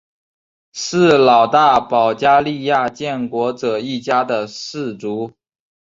是老大保加利亚建国者一家的氏族。